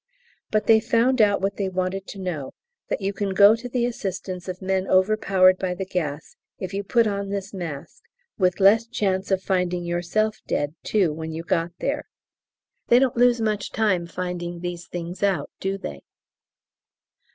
But they've found out what they wanted to know that you can go to the assistance of men overpowered by the gas, if you put on this mask, with less chance of finding yourself dead too when you got there. They don't lose much time finding these things out, do they?